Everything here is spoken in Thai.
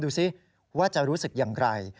ดูสิว่าจะรู้สึกอย่างไร